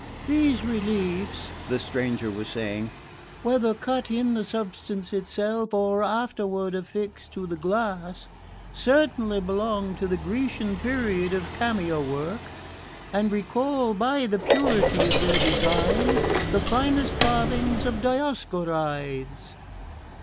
"These reliefs," the stranger was saying, "whether cut in the substance itself, or afterward affixed to the glass, certainly belong to the Grecian period of cameo work, and recall by the purity of their design the finest carvings of Dioskorides."